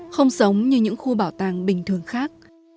không giống như những khu bảo tàng bình thường khác